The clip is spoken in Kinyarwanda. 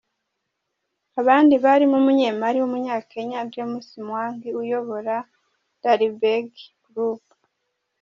Abandi barimo umunyemari w’Umunya-Kenya, James Mwangi, uyobora, Dalberg Group.